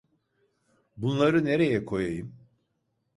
Bunları nereye koyayım?